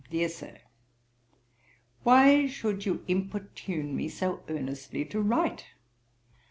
'Dear Sir, 'Why should you importune me so earnestly to write?